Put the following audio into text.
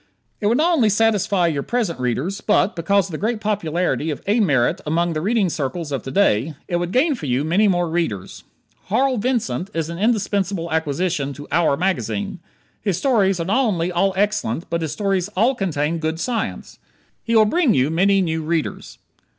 It would not only satisfy your present readers, but, because of the great popularity of A. Merritt among the reading circles of to day, it would gain for you many more readers. Harl Vincent is an indispensable acquisition to "our" magazine. His stories are not only all excellent but his stories all contain good science. He will bring you many new readers.